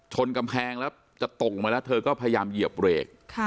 ชนกำแพงตกลงมาก็พยายามเหยียบเรก